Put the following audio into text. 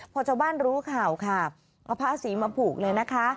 พอชาวบ้านรู้ข่าวค่ะเอาผ้าสีมาผูกเลยนะคะ